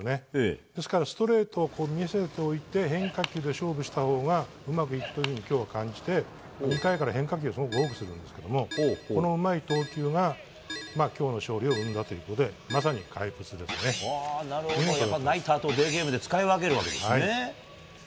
ですからストレートを見せておいて変化球で勝負したほうがうまくいくというふうに今日は感じて、２回から変化球をすごく多くするんですけどこのうまい投球が今日の勝利を生んだということでナイターとデーゲームで使い分けるわけですね。